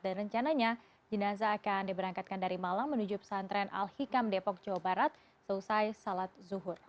dan rencananya jinazah akan diberangkatkan dari malang menuju pesantren al hikam depok jawa barat selesai salat zuhur